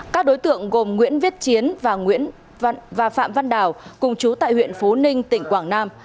các đối tượng gồm nguyễn viết chiến và phạm văn đào cùng chú tại huyện phú ninh tỉnh quảng nam